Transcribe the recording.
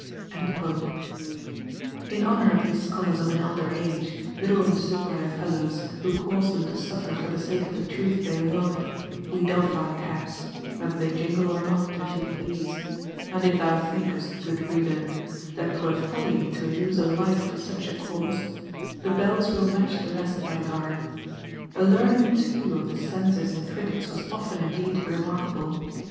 "_ _In honour of these scholars of an elder age, little understood by their fellows, who caused them to suffer for the sake of the Truth they loved, we doff our caps, whether they jingle or not, as you please; and if thou thinkest, good reader, that 'twere folly to lose a life for such a cause, the bells will match the rest of thy garb. The learning, too, of the censors and critics was often indeed remarkable.